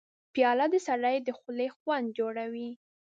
پیاله د سړي د خولې خوند جوړوي.